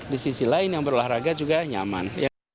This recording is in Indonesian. di sisi lain yang berolahraga juga nyaman